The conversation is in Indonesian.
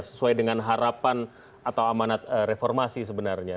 sesuai dengan harapan atau amanat reformasi sebenarnya